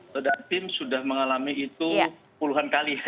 atau dari tim sudah mengalami itu puluhan kali ya